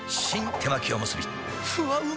手巻おむすびふわうま